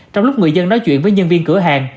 trong lúc người dân nói chuyện với nhân viên cửa hàng